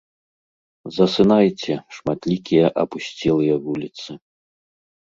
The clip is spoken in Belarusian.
Засынайце, шматлікія апусцелыя вуліцы.